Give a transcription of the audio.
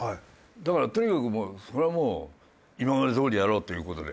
だからとにかくそれはもう今までどおりやろうっていう事で。